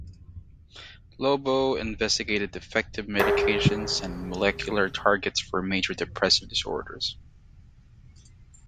Lobo investigated effective medications and molecular targets for major depressive disorders.